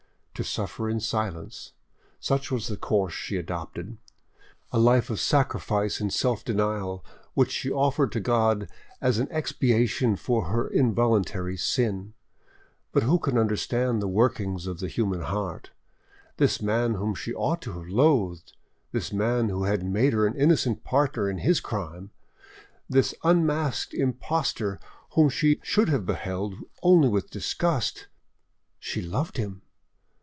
To suffer in silence, such was the course she adopted,—a life of sacrifice and self denial which she offered to God as an expiation for her involuntary sin. But who can understand the workings of the human heart? This man whom she ought to have loathed, this man who had made her an innocent partner in his crime, this unmasked impostor whom she should have beheld only with disgust, she loved him!